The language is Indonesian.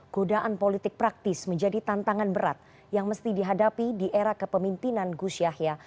godaan politik praktis menjadi tantangan berat yang mesti dihadapi di era kepemimpinan gus yahya